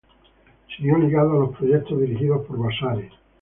Siguió ligado a los proyectos dirigidos por Vasari.